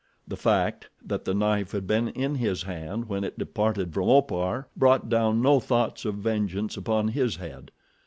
The fact that the knife had been in his hand when it departed from Opar brought down no thoughts of vengeance upon his head.